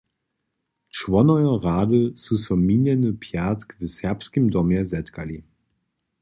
Čłonojo rady su so minjeny pjatk w Serbskim domje zetkali.